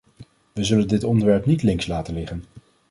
We zullen dit onderwerp niet links laten liggen.